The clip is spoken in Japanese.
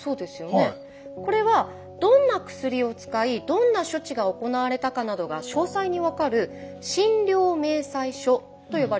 これはどんな薬を使いどんな処置が行われたかなどが詳細に分かる「診療明細書」と呼ばれるものです。